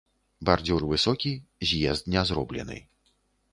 Бардзюр высокі, з'езд не зроблены.